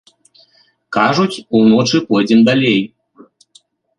Кажуць, уночы пойдзем далей.